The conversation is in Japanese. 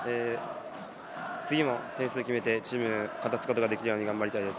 次も点数を決めて、チームを勝たせることができるように頑張りたいです。